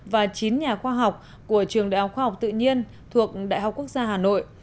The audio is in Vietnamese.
và chín nhà khoa học của trường đại học khoa học tự nhiên thuộc đại học quốc gia hà nội